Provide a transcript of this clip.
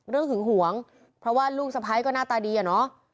หึงหวงเพราะว่าลูกสะพ้ายก็หน้าตาดีอะเนาะ